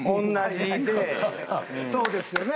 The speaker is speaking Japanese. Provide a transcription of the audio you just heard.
そうですよね。